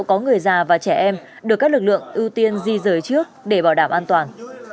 có người già và trẻ em được các lực lượng ưu tiên di rời trước để bảo đảm an toàn